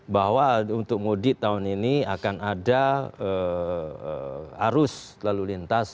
bahwa untuk mudik tahun ini akan ada arus lalu lintas